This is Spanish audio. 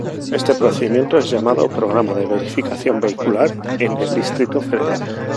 Este procedimiento es llamado Programa de verificación vehicular en el Distrito Federal.